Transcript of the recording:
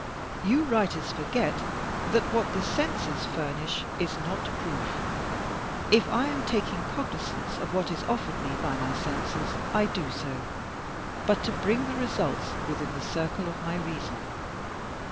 You writers forget that what the senses furnish is not proof. If I am taking cognizance of what is offered me by my senses I do so but to bring the results within the circle of my reason.